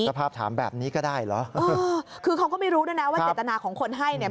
ภาพถามแบบนี้ก็ได้เหรอคือเขาก็ไม่รู้ด้วยนะว่าเจตนาของคนให้เนี่ย